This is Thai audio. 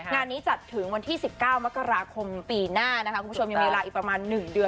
งานนี้จัดถึงวันที่๑๙มกราคมปีหน้านะคะคุณผู้ชมยังมีเวลาอีกประมาณ๑เดือน